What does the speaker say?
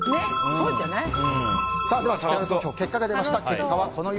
では、せきらら投票の結果が出ました。